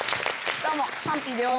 どうも。